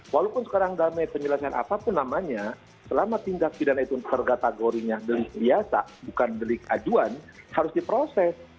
walaupun sekarang damai penyelesaian apapun namanya selama tindak pidana itu tergategorinya delik biasa bukan delik ajuan harus diproses